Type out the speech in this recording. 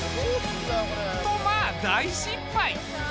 とまあ大失敗。